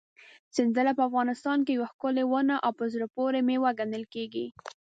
سنځله په افغانستان کې یوه ښکلې ونه او په زړه پورې مېوه ګڼل کېږي.